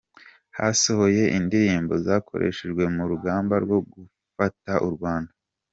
Hasohoye indirimbo zakoreshejwe murugamba rwo Gufata u Rwanda